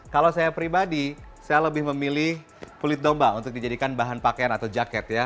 kalau saya pribadi saya lebih memilih kulit domba untuk dijadikan bahan pakaian atau jaket ya